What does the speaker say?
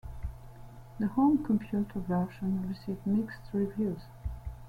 The home computer versions received mixed reviews.